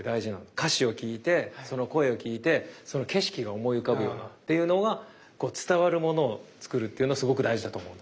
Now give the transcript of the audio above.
歌詞を聴いてその声を聴いてその景色が思い浮かぶようなっていうのがこう伝わるものを作るっていうのすごく大事だと思うの。